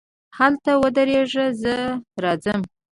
هلته ودرېږه، زه راځم.